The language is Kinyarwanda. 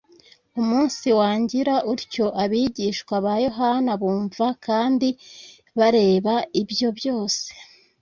Umunsi wangira utyo abigishwa ba Yohana bumva kandi bareba ibyo byose.